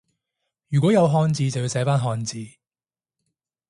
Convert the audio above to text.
如果有漢字就要寫返漢字